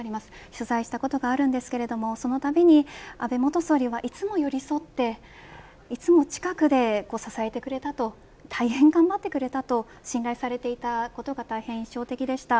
取材をしたことがあるのですがそのたびに安倍元総理はいつも寄り添って、いつも近くで支えてくれたと大変頑張ってくれたと信頼されていたことが印象的でした。